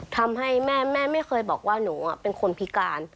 ทำให้แม่ไม่เคยบอกว่าหนูเป็นคนพิการ